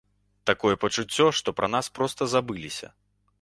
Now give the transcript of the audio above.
Такое пачуццё, што пра нас проста забыліся!